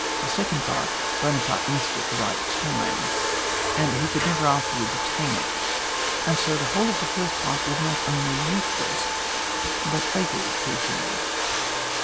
This second part Buonaparte missed at the right time, and he could never afterwards attain it, and BO the whole of the first part was not only useless, but fatal to him.